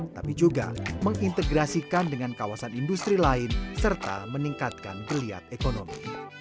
tapi juga mengintegrasikan dengan kawasan industri lain serta meningkatkan geliat ekonomi